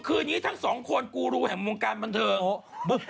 คืนนี้ทั้งสองคนกูรูแห่งวงการบันเทิง